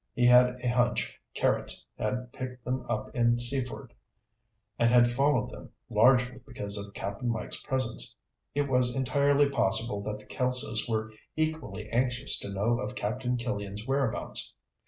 He had a hunch Carrots had picked them up in Seaford and had followed them largely because of Cap'n Mike's presence. It was entirely possible that the Kelsos were equally anxious to know of Captain Killian's whereabouts.